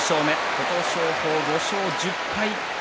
琴勝峰、５勝１０敗。